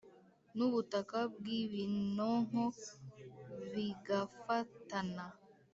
n’ubutaka bw’ibinonko bigafatana’